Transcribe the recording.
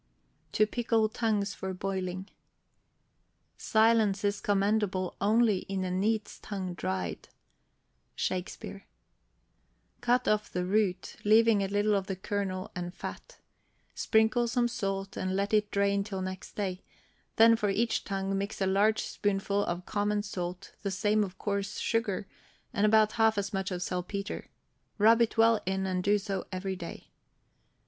TO PICKLE TONGUES FOR BOILING. Silence is commendable only In a neat's tongue dried. SHAKSPEARE. Cut off the root, leaving a little of the kernel and fat. Sprinkle some salt, and let it drain till next day; then for each tongue, mix a large spoonful of common salt, the same of coarse sugar, and about half as much of saltpetre; rub it well in, and do so every day.